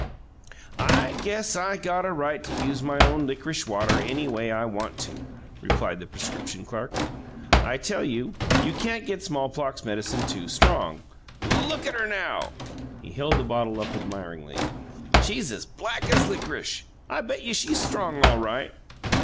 "I guess I got a right to use my own lickrish water any way I want to," replied the prescription clerk. "I tell you, you can't get smallpox medicine too strong. Look at her now!" He held the bottle up admiringly. "She's as black as lickrish. I bet you she's strong all right!"